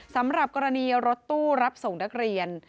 สำหรับกรณีรถตู้รับส่งนักเรียน